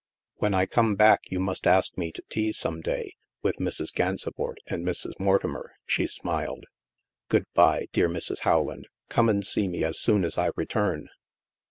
" When I come back, you must ask me to tea some day, with Mrs. Gansevoort and Mrs. Mortimer," she smiled. " Good bye, dear Mrs. Rowland. Come and see me as soon as I return."